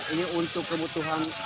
ini untuk kebutuhan air